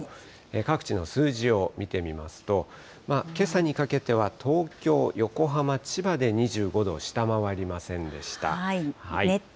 各地の数字を見てみますと、けさにかけては東京、横浜、千葉で２５度を下回りませんでした。